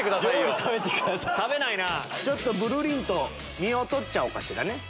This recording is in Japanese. ちょっとぐるりんと身を取っちゃおうかしらね。